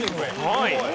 はい。